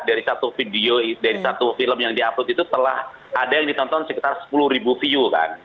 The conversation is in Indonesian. dari satu video dari satu film yang di upload itu telah ada yang ditonton sekitar sepuluh ribu view kan